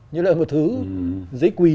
như là một thứ giấy quỳ